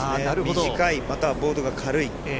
短い、またはボードが軽い。